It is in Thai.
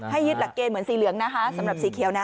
ให้ยึดหลักเกณฑ์เหมือนสีเหลืองนะฮะ